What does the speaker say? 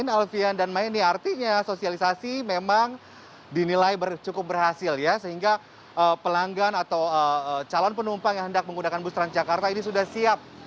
alfian dan mayani artinya sosialisasi memang dinilai cukup berhasil ya sehingga pelanggan atau calon penumpang yang hendak menggunakan bus transjakarta ini sudah siap